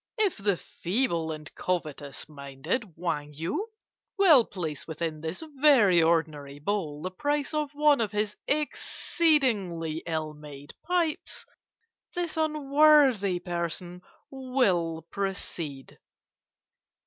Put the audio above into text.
If the feeble and covetous minded Wang Yu will place within this very ordinary bowl the price of one of his exceedingly ill made pipes, this unworthy person will proceed."